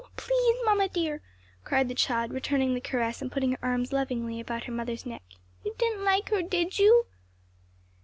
please, mamma dear;" cried the child returning the caress and putting her arms lovingly about her mother's neck. "You didn't like her, did you?"